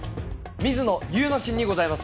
水野祐之進にございます。